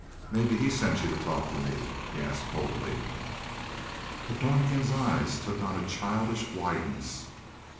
"Maybe he sent you to talk to me?" he asked coldly. But Donnegan's eyes took on a childish wideness.